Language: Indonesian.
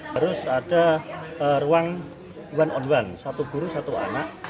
terus ada ruang one on one satu guru satu anak